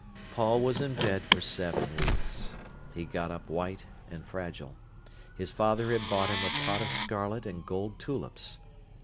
Paul was in bed for seven weeks. He got up white and fragile. His father had bought him a pot of scarlet and gold tulips.